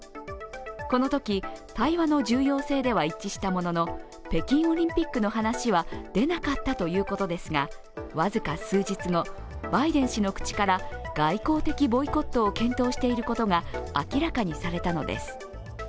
このとき対話の重要性では一致したものの、北京オリンピックの話は出なかったということですが、僅か数日後、バイデン氏の口から外交的ボイコットを検討していることが明らかにされたのです。